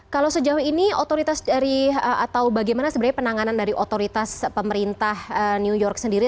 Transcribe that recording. kalau sejauh ini otoritas dari atau bagaimana sebenarnya penanganan dari otoritas pemerintah new york sendiri